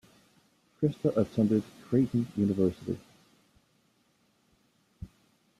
Krista attended Creighton University.